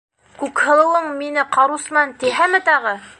Күкһылыуың мине ҡарусман тиһәме тағы!